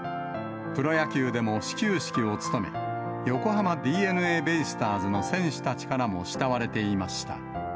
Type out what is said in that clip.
プロ野球でも始球式を務め、横浜ＤｅＮＡベイスターズの選手たちからも慕われていました。